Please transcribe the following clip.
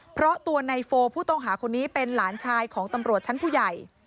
เพราะตัวในโฟผู้ต้องหาคนนี้เป็นหลานชายของตำรวจชั้นผู้ใหญ่